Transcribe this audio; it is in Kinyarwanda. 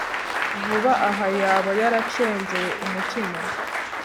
vuba aha yaba yaracengeye umutima